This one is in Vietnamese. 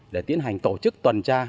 để tiến hành tổ chức tuần tra